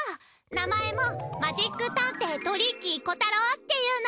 名前もマジック探偵トリッキーこたろうっていうの。